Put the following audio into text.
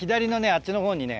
あっちの方にね。